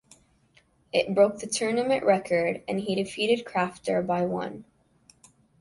It broke the tournament record and he defeated Crafter by one.